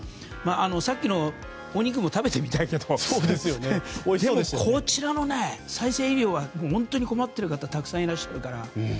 さっきのお肉も食べてみたいけどでも、再生医療は本当に困っている方たくさんいらっしゃるから。